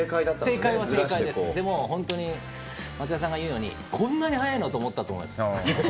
でも本当に松也さんがいうようにこんなに速いのって思ったと思います。